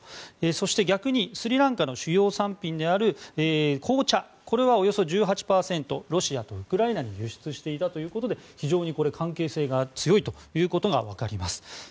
そして、逆にスリランカの主要産品である紅茶、これはおよそ１８％ロシアとウクライナに輸出していたということで非常に関係性が強いということがわかります。